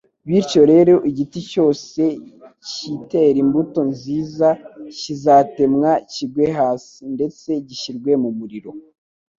bityo rero igiti cyose kitera imbuto nziza kizatemwa kigwe hasi, ndetse gishyirwe mu muriro.